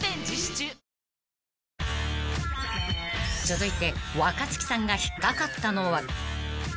［続いて若槻さんが引っ掛かったのは］